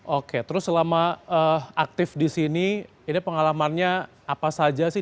oke terus selama aktif di sini ini pengalamannya apa saja sih